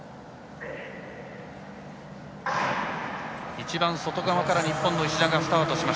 一番外側から日本の石田がスタート。